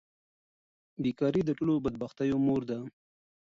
بیکاري د ټولو بدبختیو مور ده.